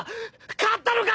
勝ったのか！？